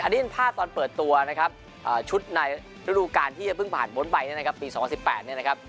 อันนี้เป็นภาพตอนเปิดตัวนะครับชุดในฤดูการที่พึ่งผ่านบนไปนะครับปี๒๐๑๘นะครับ